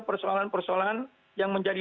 persoalan persoalan yang menjadi